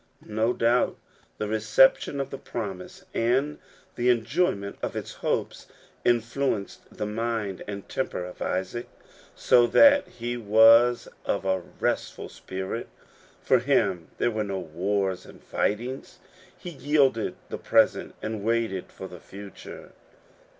No doubt the reception of the promise, and the enjoyment of its hopes, influenced the mind and temper of Isaac, so that he was of a restful spirit. For him there were no wars and fightings. He yielded the present, and waited for the future.